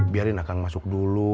biarin akang masuk dulu